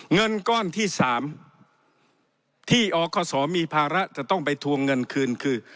เงินก้อนที่๓ที่อคศมีภาระจะต้องไปทวงเงินคืนคือ